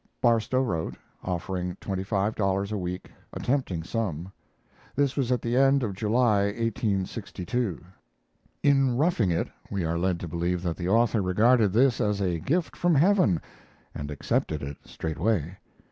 Barstow wrote, offering twenty five dollars a week, a tempting sum. This was at the end of July, 1862. In 'Roughing It' we are led to believe that the author regarded this as a gift from heaven and accepted it straightaway.